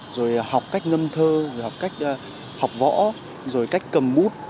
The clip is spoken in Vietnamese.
rồi học cách ngâm thơ rồi học cách học võ rồi cách cầm bút